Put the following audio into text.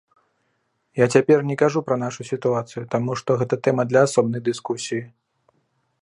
Я цяпер не кажу пра нашу сітуацыю, таму што гэта тэма для асобнай дыскусіі.